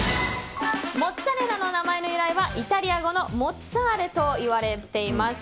モッツァレラの名前の由来はイタリア語のモッツァーレと言われています。